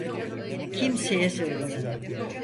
Kimseye söylemem.